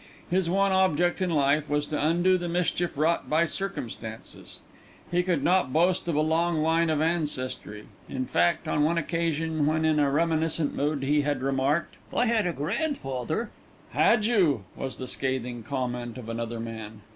His one object in life was to undo the mischief wrought by circumstances. He could not boast of a long line of ancestry; in fact, on one occasion when in a reminiscent mood he had remarked: "I had a grandfather " "Had you?" was the scathing comment of another man.